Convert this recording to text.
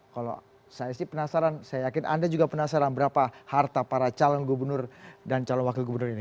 kalau saya sih penasaran saya yakin anda juga penasaran berapa harta para calon gubernur dan calon wakil gubernur ini